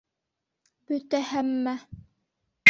Бөтә, һәммә